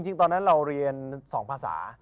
จริงตอนนั้นเราเรียน๒ภาษา